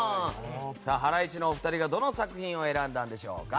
ハライチのお二人がどの作品を選んだんでしょうか。